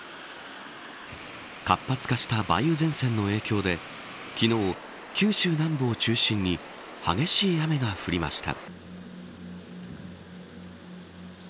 活発化した梅雨前線の影響で昨日、九州南部を中心に激しい雨が降りました。